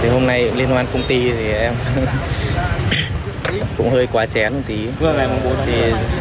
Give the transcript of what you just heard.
hôm nay liên quan công ty thì em cũng hơi quá chén một tí